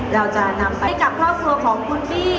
เราจะนำไปให้กับครอบครัวของคุณพี่